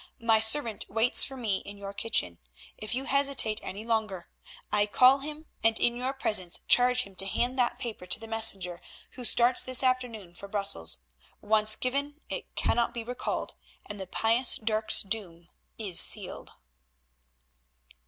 My servant waits for me in your kitchen. If you hesitate any longer, I call him and in your presence charge him to hand that paper to the messenger who starts this afternoon for Brussels. Once given it cannot be recalled and the pious Dirk's doom is sealed."